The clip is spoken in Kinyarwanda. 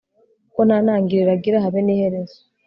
kuko nta ntangiriro agira, habe n'iherezo